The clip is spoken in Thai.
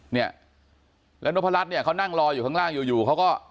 เนี่ยแล้วนพรัชเนี่ยเขานั่งรออยู่ข้างล่างอยู่อยู่เขาก็